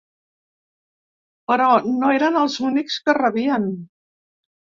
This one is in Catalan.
Però no eren els únics que rebien.